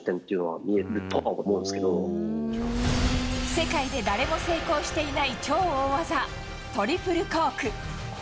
世界で誰も成功していない超大技トリプルコーク。